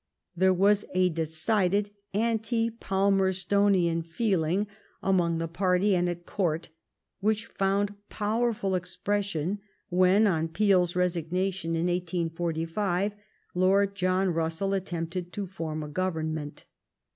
There was a decided anti Palraerstonian feeling among the party and at Court, which found powerful expression when, on Peel's resignation in 1845, Lord John Bussell attempted to form a govern ment.